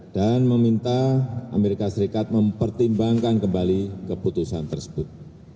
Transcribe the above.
dan meminta amerika serikat mempertimbangkan kembali keputusan tersebut